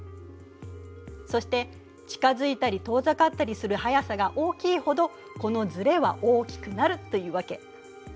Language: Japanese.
そして近づいたり遠ざかったりする速さが大きいほどこのずれは大きくなるというわけ。